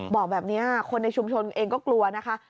บอกแบบนี้คนในชุมชนเองก็กลัวนะคะ